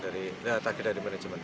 tadi dari manajemen